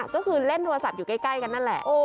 ก็คือเล่นโทรศัพท์อยู่ใกล้กันนั่นแหละ